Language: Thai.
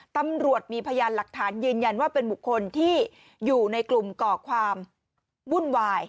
ตำรวจมีพยานหลักฐานยืนยันว่าเป็นบุคคลที่อยู่ในกลุ่มก่อความวุ่นวาย